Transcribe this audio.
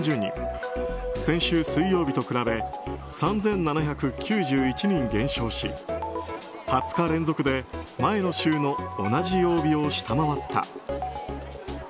先週水曜日と比べ３７９１人減少し２０日連続で前の週の同じ曜日を下回った。